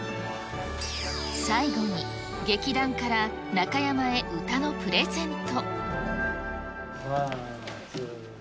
最後に劇団から中山へ歌のプレゼント。